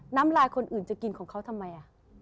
น้ำลายคนอื่นจะกินของเขาทำไม